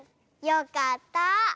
よかった。